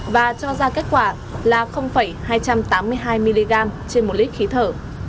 và cho ra kết quả là hai trăm tám mươi hai mg trên một lít khí thở